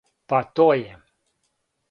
Па то је.